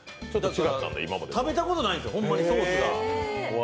食べたことないんですよ、ホンマにソースが。